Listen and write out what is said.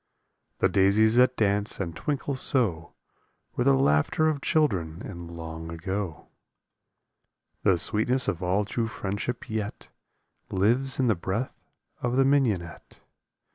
The daisies that dance and twinkle so Were the laughter of children in long ago. The sweetness of all true friendship yet Lives in the breath of the mignonette.